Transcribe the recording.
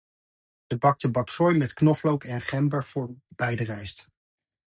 Ze bakte paksoi met knoflook en gember voor bij de rijst.